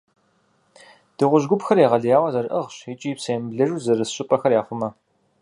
Дыгъужь гупхэр егъэлеяуэ зэрыӏыгъщ, икӏи псэемыблэжу зэрыс щӏыпӏэхэр яхъумэ.